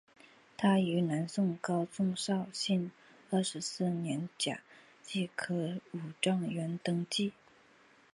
他于南宋高宗绍兴二十四年甲戌科武状元登第。